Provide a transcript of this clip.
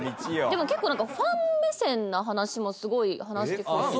でも結構なんかファン目線な話もすごい話してくれるから。